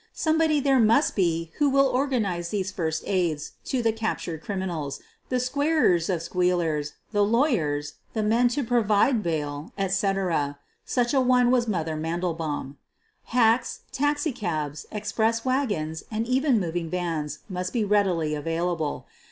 Somebody there must be who will organize these first aids to the captured criminals — the "squarers of squealers/ ' the lawyers, the men to provide bail, etc. Such a one was "Mother" Man delbaum. Hacks, taxicabs, express wagons, and even mov ing vans must be readily available.